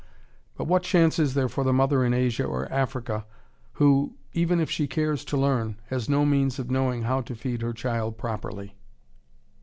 But what chance is there for the mother in Asia or Africa who, even if she cares to learn, has no means of knowing how to feed her child properly?